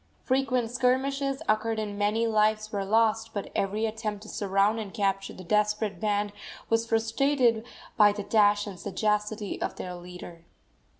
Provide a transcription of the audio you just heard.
Frequent skirmishes occurred and many lives were lost, but every attempt to surround and capture the desperate band was frustrated by the dash and sagacity of their leader.